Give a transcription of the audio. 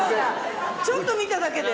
ちょっと見ただけで？